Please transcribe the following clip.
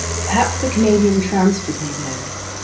Perhaps the Canadian transferred me there.